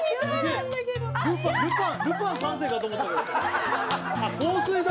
ルパン三世かと思った。